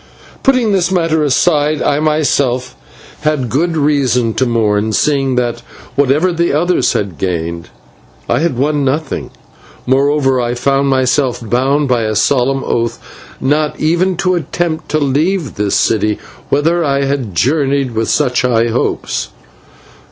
Putting this matter aside, I myself had good reason to mourn, seeing that, whatever the others had gained, I had won nothing; moreover I found myself bound by a solemn oath not even to attempt to leave this city whither I had journeyed with such high hopes.